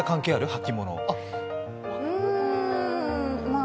履物のうーん、まあ。